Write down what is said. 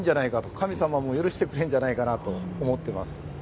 神様も許してくれるんじゃないかと思ってます。